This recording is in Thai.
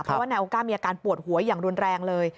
เพราะว่านายโอก้ามีอาการปวดหัวอย่างรุนแรงเลย